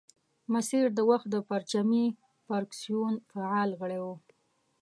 مسیر د وخت د پرچمي فرکسیون فعال غړی وو.